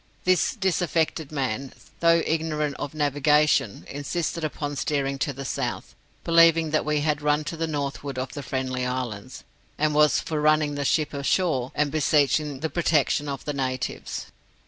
This disaffected man, though ignorant of navigation, insisted upon steering to the south, believing that we had run to the northward of the Friendly Islands, and was for running the ship ashore and beseeching the protection of the natives.